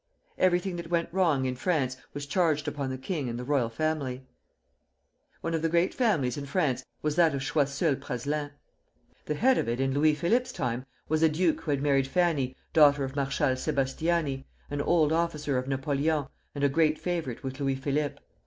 Everything that went wrong in France was charged upon the king and the royal family. One of the great families in France was that of Choiseul Praslin. The head of it in Louis Philippe's time was a duke who had married Fanny, daughter of Marshal Sébastiani, an old officer of Napoleon and a great favorite with Louis Philippe.